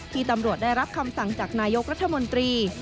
ตำรวจได้รับคำสั่งจากนายกรัฐมนตรี